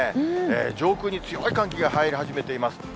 上空に強い寒気が入り始めています。